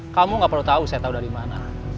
kamu gak perlu tahu saya tahu dari mana